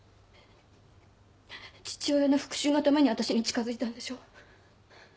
父親の復讐のためにわたしに近づいたんでしょ？